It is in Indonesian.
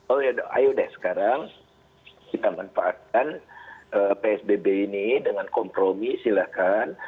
oh ya ayo deh sekarang kita manfaatkan psbb ini dengan kompromi silahkan